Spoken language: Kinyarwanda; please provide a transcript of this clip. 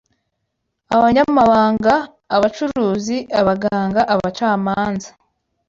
abanyamabanga abacuruzi abaganga abacamanza